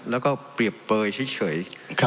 และก็เปรียบเปล่าเฉย